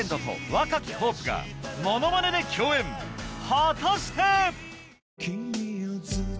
果たして⁉